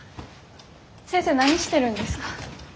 先生何してるんですか？